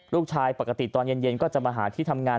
ปกติตอนเย็นก็จะมาหาที่ทำงาน